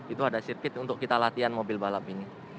itu ada sirkuit untuk kita latihan mobil balap ini